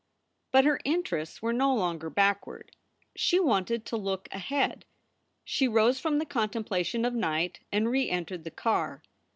But her interests were no longer backward. She wanted to look ahead. She rose from the contemplation of night and re entered the car.